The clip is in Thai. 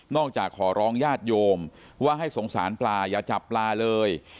จากขอร้องญาติโยมว่าให้สงสารปลาอย่าจับปลาเลย